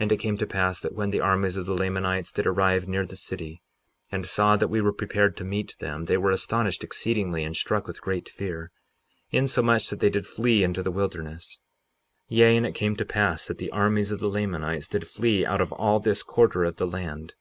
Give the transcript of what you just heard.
58:29 And it came to pass that when the armies of the Lamanites did arrive near the city, and saw that we were prepared to meet them, they were astonished exceedingly and struck with great fear, insomuch that they did flee into the wilderness. 58:30 Yea, and it came to pass that the armies of the Lamanites did flee out of all this quarter of the land.